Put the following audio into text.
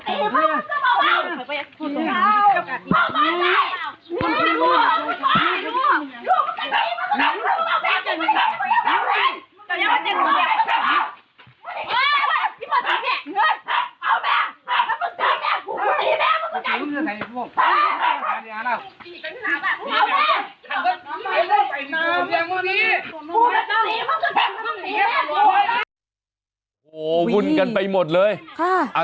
โอ้โหวุ่นกันไปหมดเลย